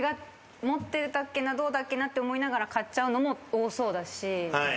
持ってたっけなどうだっけなって思いながら買っちゃうのも多そうだし。